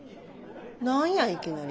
何やいきなり。